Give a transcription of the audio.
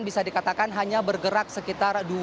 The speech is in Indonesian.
bisa dikatakan hanya bergerak sekitar